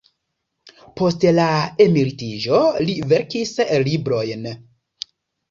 Post la emeritiĝo li verkis librojn.